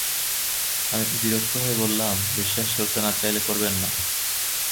আমি বিরক্ত হয়ে বললাম, বিশ্বাস করতে না চাইলে করবেন না।